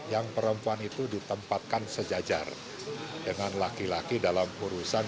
yang perempuan itu ditempatkan sejajar dengan laki laki dalam urusan